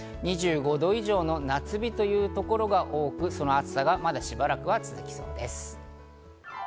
２５度以上の夏日というところが多く、その暑さがまだしばらくは続きそうです。